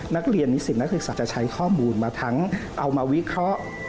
นิสิตนักศึกษาจะใช้ข้อมูลมาทั้งเอามาวิเคราะห์